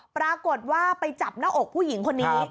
ปรากฏว่าไปจับหน้าอกผู้หญิงคนนี้